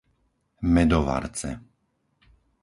Medovarce